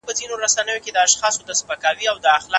ممکن د ژوند کچه په څو کلونو کي بدله سي.